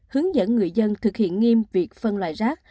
hướng dẫn người dân thực hiện nghiêm việc phân loại rác